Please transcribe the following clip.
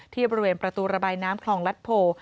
ที่บริเวณประตูระบายน้ำคลองลัดโพ